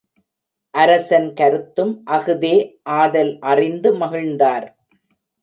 அரசன் கருத்தும் அஃதே ஆதல் அறிந்து மகிழ்ந்தார்.